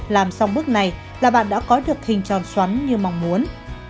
làm xong bước này là bạn đã có được hình tròn xoắn như mong muốn